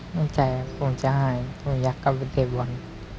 ในใจผมจะให้ผมอยากกลับไปเทพวัน